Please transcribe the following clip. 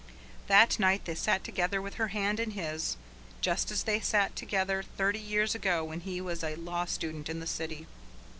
That night they sat together with her hand in his, just as they had sat together thirty years ago when he was a law student in the city.